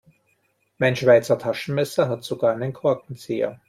Mein Schweizer Taschenmesser hat sogar einen Korkenzieher.